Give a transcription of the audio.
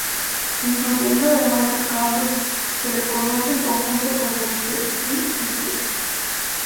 Incluyendo además a Cambridge, se las conoce en conjunto como "the tri-cities".